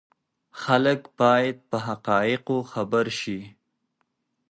خلک باید په حقایقو خبر شي.